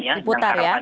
di putar ya